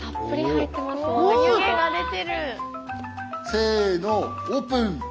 せのオープン！